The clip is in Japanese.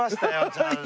ちゃんと。